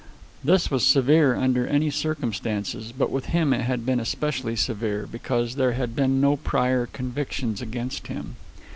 This was severe under any circumstances, but with him it had been especially severe, because there had been no prior convictions against him.